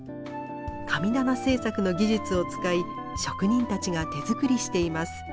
神棚製作の技術を使い職人たちが手作りしています。